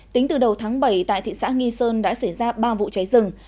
tính từ đầu tháng bảy tại thị xã nghi sơn đã xảy ra ba vụ cháy rừng